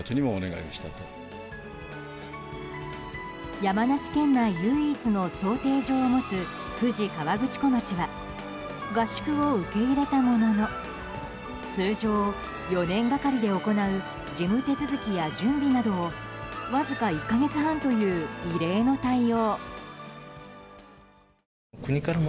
山梨県内唯一の漕艇場を持つ富士河口湖町は合宿を受け入れたものの通常４年がかりで行う事務手続きや準備などをわずか１か月半という異例の対応。